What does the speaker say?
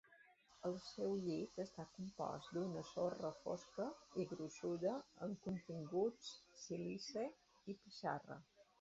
El seu llit està compost d'una sorra fosca i gruixuda amb continguts sílice i pissarra.